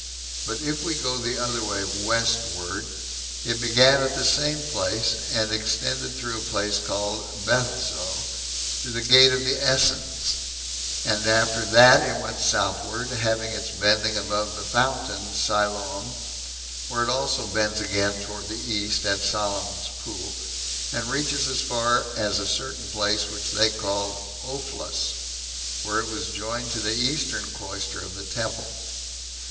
But if we go the other way westward, it began at the same place, and extended through a place called "Bethso," to the gate of the Essens; and after that it went southward, having its bending above the fountain Siloam, where it also bends again towards the east at Solomon's pool, and reaches as far as a certain place which they called "Ophlas," where it was joined to the eastern cloister of the temple.